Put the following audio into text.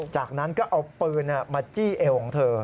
จากนั้นก็เอาปืนมาจี้เอวของเธอ